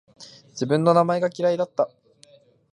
自分の名前が嫌いだった